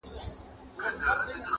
دا کمال ستا د جمال دی,